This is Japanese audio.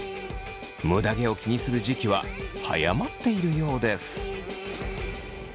むだ毛を気にする時期は早まっているようです。